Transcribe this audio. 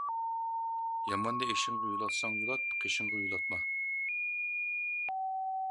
ياماننى ئېشىڭغا يولاتساڭ يولات، قېشىڭغا يولاتما.